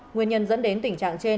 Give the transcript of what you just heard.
nguyên nhân dẫn đến tình trạng trên